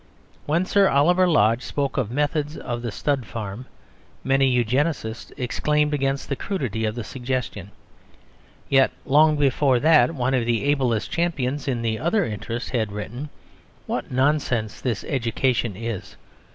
When Sir Oliver Lodge spoke of the methods "of the stud farm" many Eugenists exclaimed against the crudity of the suggestion. Yet long before that one of the ablest champions in the other interest had written "What nonsense this education is!